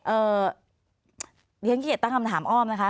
เรียนขีเกียจตั้งคำถามอ้อมนะคะ